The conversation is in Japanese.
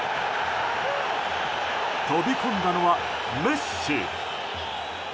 飛び込んだのはメッシ！